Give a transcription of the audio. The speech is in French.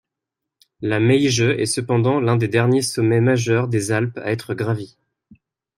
La Meije est cependant l'un des derniers sommets majeurs des Alpes à être gravi.